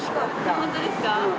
本当ですか。